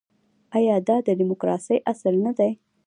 آیا دا د ډیموکراسۍ اصل نه دی؟